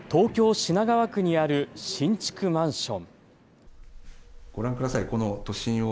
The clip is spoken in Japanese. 品川区にある新築マンション。